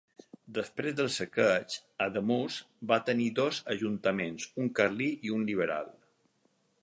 Després del saqueig, Ademús va tenir dos ajuntaments, un carlí i un liberal.